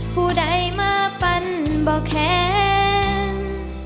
ผู้ใดม่าปันบ่แขน